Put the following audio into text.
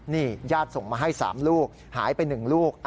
นี่ญาติส่งมาให้๓ลูกหายไป๑ลูก